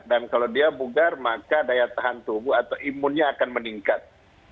dan kalau dia bugar maka daya tahan tubuh atau imunnya akan meningkat